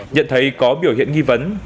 nhận thấy có biểu hiện nghi vấn